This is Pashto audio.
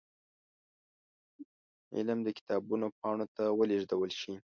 علم د کتابونو پاڼو ته ولېږدول شي.